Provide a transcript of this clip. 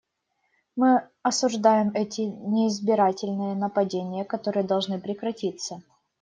Мы осуждаем эти неизбирательные нападения, которые должны прекратиться.